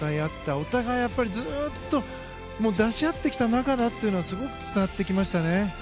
お互いにずっと出し合ってきた仲だというのがすごく伝わってきましたね。